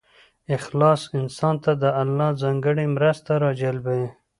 اخلاص انسان ته د الله ځانګړې مرسته راجلبوي.